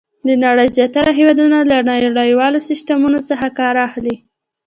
د نړۍ زیاتره هېوادونه له نړیوالو سیسټمونو څخه کار اخلي.